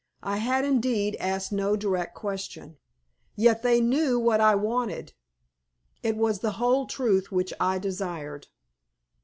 I had, indeed, asked no direct question. Yet they knew what I wanted. It was the whole truth which I desired.